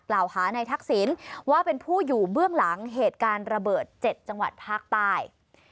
หาในทักษิณว่าเป็นผู้อยู่เบื้องหลังเหตุการณ์ระเบิด๗จังหวัดภาคใต้